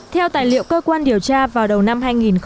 theo tài liệu cơ quan điều tra vào đầu năm hai nghìn một mươi chín